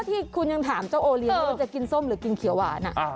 ที่คุณยังถามเจ้าโอเลี้ยงว่ามันจะกินส้มหรือกินเขียวหวาน